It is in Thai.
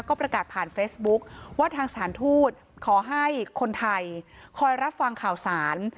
ก็ประกาศผ่านเฟซบุ๊คว่าทางสถานทูตขอให้คนไทยคอยรับฟังข่าวสาร